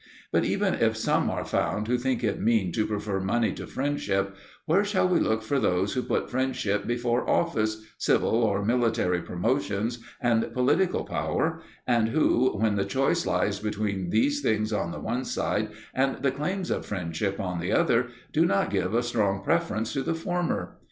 But even if some are found who think it mean to prefer money to friendship, where shall we look for those who put friendship before office, civil or military promotions, and political power, and who, when the choice lies between these things on the one side and the claims of friendship on the other, do not give a strong preference to the former?